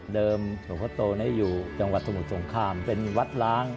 หลวงพ่อโตอยู่จังหวัดสมุทรสงครามเป็นวัดล้าง